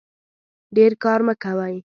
ډیر کار مه کوئ